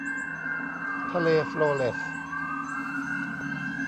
ทะเลโฟลเร็ซ